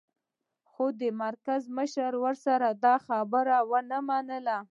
خو د مرکز مشر ورسره دا خبره و نه منله